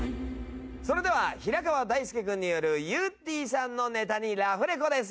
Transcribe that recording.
それでは平川大輔君によるゆってぃさんのネタにラフレコです。